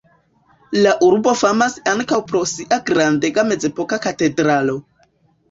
La urbo famas ankaŭ pro sia grandega mezepoka katedralo.